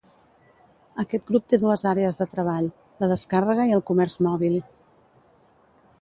Aquest grup té dues àrees de treball: la descàrrega i el comerç mòbil.